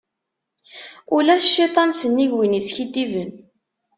Ulac cciṭan, sennig win iskiddiben.